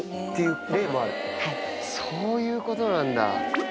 そういうことなんだ。